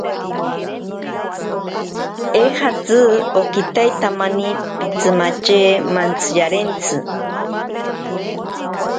Eejatzi okitaitamani pitsimatye mantsiyarentsi.